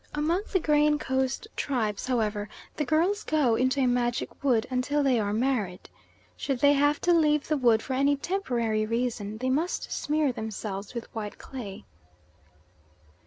Among the Grain Coast tribes however, the girls go into a magic wood until they are married. Should they have to leave the wood for any temporary reason, they must smear themselves with white clay.